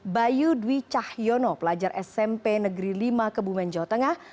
bayu dwi cahyono pelajar smp negeri lima kebumen jawa tengah